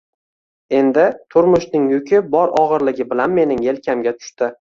Endi turmushning yuki bor og`irligi bilan mening elkamga tushdi